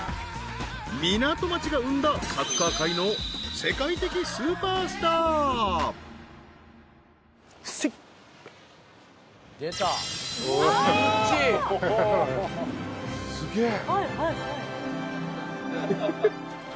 ［港町が生んだサッカー界の世界的スーパースター］すげえ。